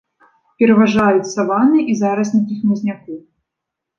Пераважаюць саванны і зараснікі хмызняку.